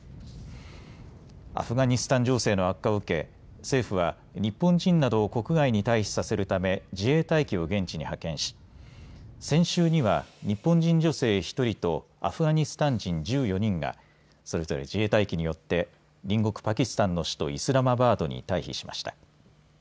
アフガニスタン情勢の悪化を受け政府は日本人などを国外に退避させるため自衛隊機を現地に派遣し先週には日本人女性１人とアフガニスタン人１４人がそして自衛隊機によって隣国パキスタンの首都イスラマバードに退避しました。